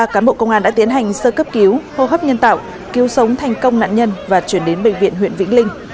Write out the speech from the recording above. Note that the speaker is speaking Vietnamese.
ba cán bộ công an đã tiến hành sơ cấp cứu hô hấp nhân tạo cứu sống thành công nạn nhân và chuyển đến bệnh viện huyện vĩnh linh